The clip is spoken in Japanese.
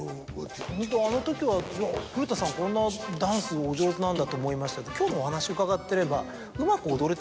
あのときは古田さんこんなダンスお上手なんだと思いましたけど今日のお話伺ってれば。